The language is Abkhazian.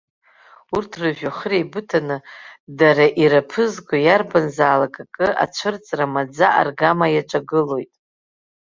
Урҭ рыжәҩахыр еибыҭаны, дара ираԥызго иарбанзаалак акы ацәырҵра маӡа-аргама иаҿагылоит.